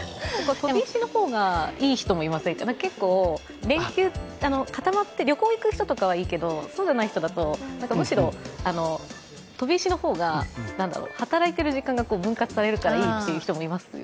飛び石の方がよかったりしませんか、固まって旅行に行く人はいいけど、そうじゃない人だと、むしろ飛び石の方が働いている時間が分割されるからいいという人もいますよね。